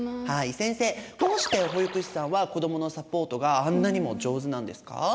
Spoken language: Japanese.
先生どうして保育士さんは子どものサポートがあんなにも上手なんですか？